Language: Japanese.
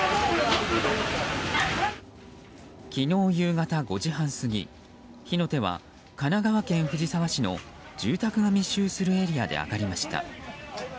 昨日夕方５時半過ぎ火の手は、神奈川県藤沢市の住宅が密集するエリアで上がりました。